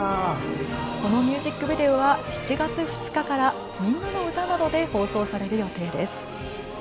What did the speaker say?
このミュージックビデオは７月２日から「みんなのうた」などで放送される予定です。